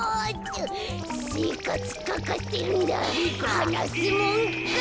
はなすもんか。